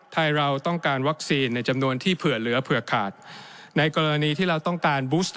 ไทยเราต้องการวัคซีนในจำนวนที่เผื่อเหลือเผื่อขาดในกรณีที่เราต้องการบูสเตอร์